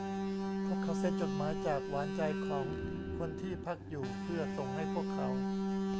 พวกเขาเซ็นจดหมายจากหวานใจของคนที่พักอยู่เพื่อส่งให้พวกเขา